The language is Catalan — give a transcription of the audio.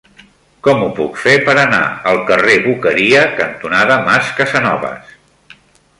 Com ho puc fer per anar al carrer Boqueria cantonada Mas Casanovas?